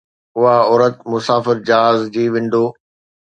اها عورت مسافر جهاز جي ونڊو